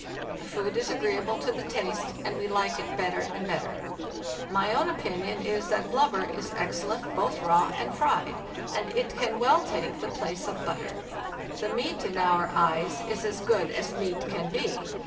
The food is agreeable to the taste, and we like it better and better. My own opinion is that blub ber is excellent both raw and fried, and it can well take the place of butter. The meat, in our eyes, is as good as meat can be.